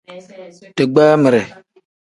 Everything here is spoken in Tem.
Digbamire.